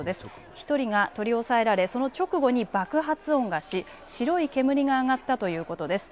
１人が取り押さえられその直後に爆発音がし白い煙が上がったということです。